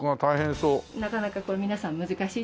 なかなかこれ皆さん難しいって。